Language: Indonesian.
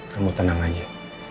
kamu tenang aja